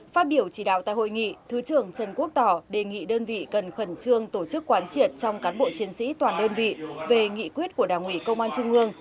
phát biểu chỉ đạo tại hội nghị thứ trưởng trần quốc tỏ đề nghị đơn vị cần khẩn trương tổ chức quán triệt trong cán bộ chiến sĩ toàn đơn vị về nghị quyết của đảng ủy công an trung ương